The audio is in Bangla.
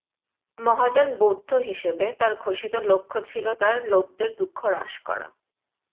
মহাযান বৌদ্ধ হিসেবে, তার ঘোষিত লক্ষ্য ছিল তার লোকদের দুঃখ হ্রাস করা।